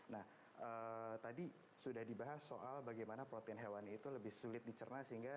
nah tadi sudah dibahas soal bagaimana protein hewan itu lebih sulit dicerna sehingga